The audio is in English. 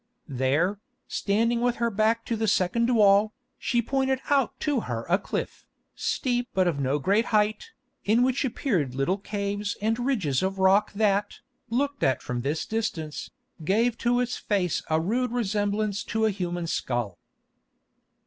There, standing with her back to the second wall, she pointed out to her a cliff, steep but of no great height, in which appeared little caves and ridges of rock that, looked at from this distance, gave to its face a rude resemblance to a human skull.